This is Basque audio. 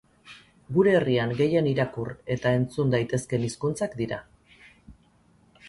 Gure herrian gehien irakur eta entzun daitezkeen hizkuntzak dira.